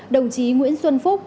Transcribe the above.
đồng chí nguyễn xuân phúc